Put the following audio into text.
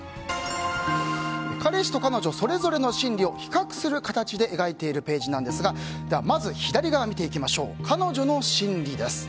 彼氏と彼女それぞれの心理を比較する形で描いているページなんですがまず、彼女の心理です。